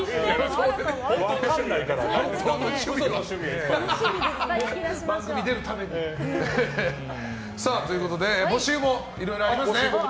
分かんないから。ということで募集もいろいろありますね。